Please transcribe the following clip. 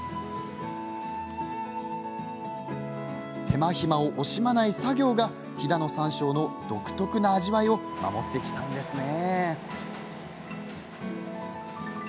手間暇を惜しまない作業が飛騨の山椒の独特な味わいを守ってきたんですね。